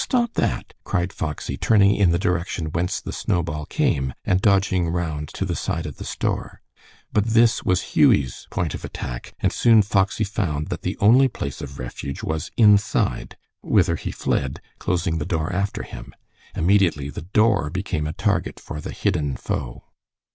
Stop that!" cried Foxy, turning in the direction whence the snowball came and dodging round to the side of the store. But this was Hughie's point of attack, and soon Foxy found that the only place of refuge was inside, whither he fled, closing the door after him. Immediately the door became a target for the hidden foe.